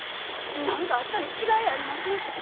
何かあったに違いありません！